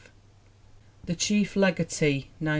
The Chief Legatee, 1906.